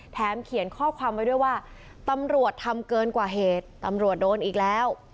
เขียนข้อความไว้ด้วยว่าตำรวจทำเกินกว่าเหตุตำรวจโดนอีกแล้ว